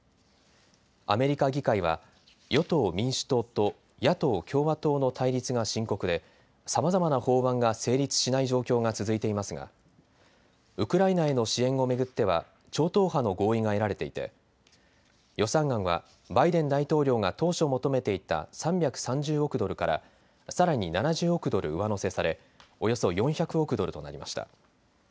アメリカ議会は与党民主党と野党共和党の対立が深刻でさまざまな法案が成立しない状況が続いていますがウクライナへの支援を巡っては超党派の合意が得られていて予算案はバイデン大統領が当初求めていた３３０億ドルからさらに７０億ドル上乗せされおよそ４００億ドルとなりました。